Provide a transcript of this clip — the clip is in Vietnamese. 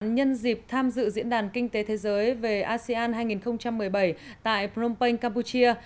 nhân dịp tham dự diễn đàn kinh tế thế giới về asean hai nghìn một mươi bảy tại phnom penh campuchia